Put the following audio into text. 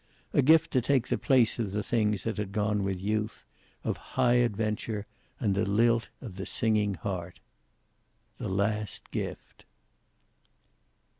A gift to take the place of the things that had gone with youth, of high adventure and the lilt of the singing heart. The last gift.